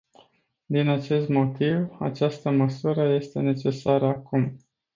Din acest motiv, această măsură este necesară acum.